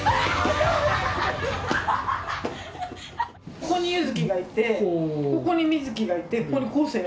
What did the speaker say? ここに優月がいてここに美月がいてここに恒惺が